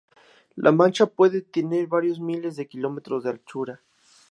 La mancha puede tener varios miles de kilómetros de anchura.